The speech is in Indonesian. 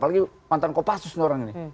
apalagi mantan kopassus orang ini